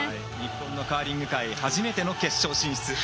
日本のカーリング界初めての決勝進出。